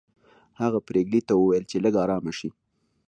هغه پريګلې ته وویل چې لږه ارامه شي